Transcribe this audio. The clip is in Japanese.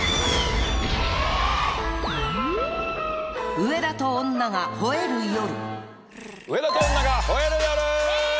『上田と女が吠える夜』！